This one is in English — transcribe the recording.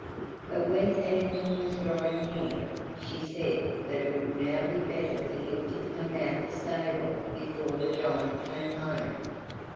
But when evening was drawing near she said that it would now be better for him to clean out the stable before the giant came home.